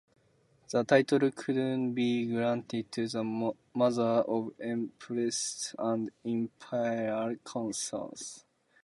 The title could be granted to the mothers of empresses and imperial consorts.